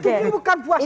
itu bukan puasana